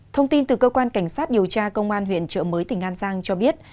thông tin từ cơ quan cảnh sát điều tra công an huyện trợ mới tỉnh an giang cho biết